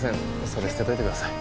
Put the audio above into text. それ捨てといてください。